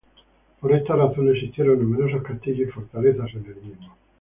Por esta razón existieron numerosos castillos y fortalezas en el mismo.